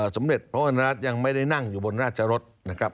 สมเด็จพระวรรณรัฐยังไม่ได้นั่งอยู่บนราชรสนะครับ